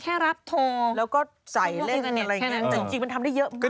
จริงมันทำได้เยอะมาก